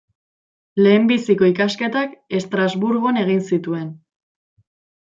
Lehenbiziko ikasketak Estrasburgon egin zituen.